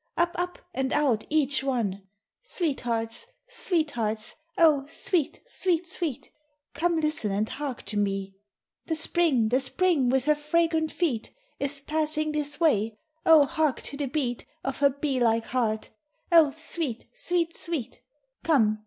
Up, up! and out, each one! Sweethearts! sweethearts! oh, sweet, sweet, sweet! Come listen and hark to me! The Spring, the Spring, with her fragrant feet, Is passing this way! Oh, hark to the beat Of her bee like heart! Oh, sweet, sweet, sweet! Come!